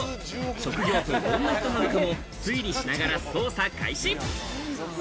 職業とどんな人なのかも推理しながら捜査開始。